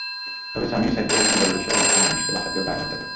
তবে সামিয়া সাইফ বলছেন, জলদস্যুরা অনেক সময় মানুষকে বাঁচাতেও বাঘ হত্যা করে।